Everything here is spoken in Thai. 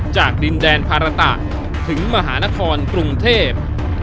จากดินแดนภาระตะถึงมหานครกรุงเทพ